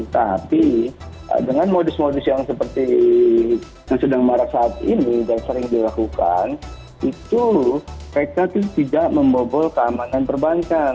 tapi dengan modus modus yang seperti yang sedang marah saat ini dan sering dilakukan itu mereka tidak membobol keamanan perbankan